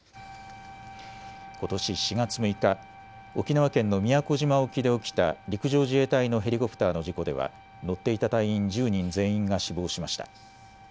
ことし４月６日、沖縄県の宮古島沖で起きた陸上自衛隊のヘリコプターの事故では乗っていた隊員１０人全員が死亡しました。